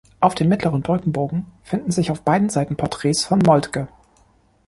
Auf dem mittleren Brückenbogen finden sich auf beiden Seiten Porträts von Moltke.